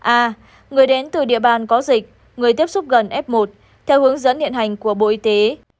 a người đến từ địa bàn có dịch người tiếp xúc gần f một theo hướng dẫn hiện hành của bộ y tế